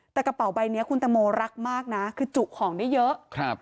แต่กระเป๋าใบเนี้ยคุณตังโมรักมากนะคือจุของได้เยอะครับ